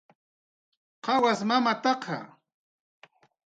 ¿Qawas mamataqa?